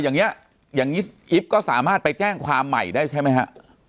อย่างนี้อย่างนี้อิ๊บก็สามารถไปแจ้งความใหม่ได้ใช่ไหมฮะ